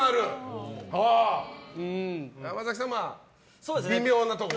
山崎さんは微妙なところ？